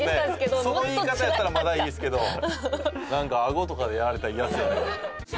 その言い方やったらまだいいですけどなんかあごとかでやられたらイヤですよね。